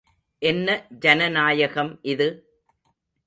என்ன ஜனநாயகம் இது?